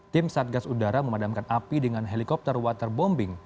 tim satgas udara memadamkan api dengan helikopter waterbombing